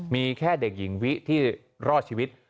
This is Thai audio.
มีแค่เห็นเด็กหญิงวิทย์ที่รอดชีวิต